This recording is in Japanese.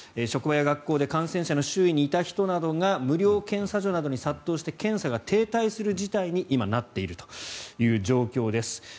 職場や学校で感染者の周囲にいた人などが無料検査所などに殺到して検査が停滞する事態に今、なっているという状況です。